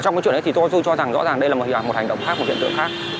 ở trong cái chuyện đấy thì tôi cho rõ ràng đây là một hành động khác một hiện tượng khác